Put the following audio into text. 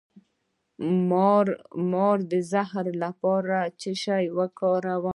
د مار د زهر لپاره باید څه شی وکاروم؟